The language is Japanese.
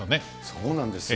そうなんですよ。